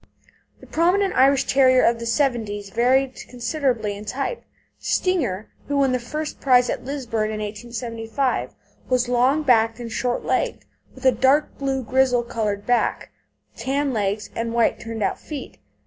The prominent Irish Terriers of the 'seventies varied considerably in type. Stinger, who won the first prize at Lisburn in 1875, was long backed and short legged, with a "dark blue grizzle coloured back, tan legs, and white turned out feet."